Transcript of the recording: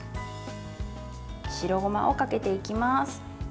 白ごまをかけていきます。